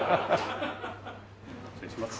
失礼します。